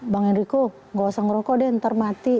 bang eriko gak usah ngerokok deh ntar mati